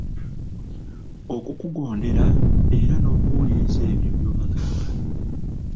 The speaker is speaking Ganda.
Okukugondera era n'okuwuliriza ebyo by'obagamba.